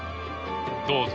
どうぞ。